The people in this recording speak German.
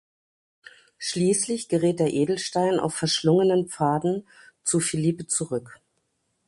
Schließlich gerät der Edelstein auf verschlungenen Pfaden zu Felipe zurück.